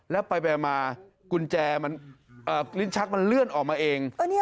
แล้วไปมากุญแจลิ้นชักมันเลื่อนออกมาเอง